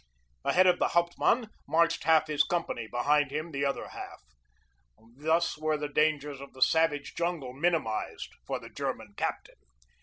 Ahead of the hauptmann marched half his company, behind him the other half thus were the dangers of the savage jungle minimized for the German captain.